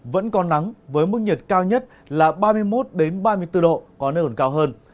vẫn còn nắng với mức nhiệt cao nhất là ba mươi một ba mươi bốn độ có nơi còn cao hơn